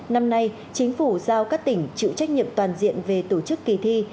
năm nay chính phủ giao các tỉnh chịu trách nhiệm toàn diện về tổ chức kỳ thi